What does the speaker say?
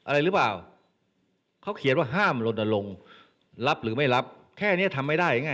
อะไรหรือเปล่าเขาเขียนว่าห้ามลนลงรับหรือไม่รับแค่นี้ทำไม่ได้ง่าย